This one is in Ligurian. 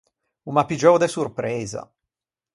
O m’à piggiou de sorpreisa.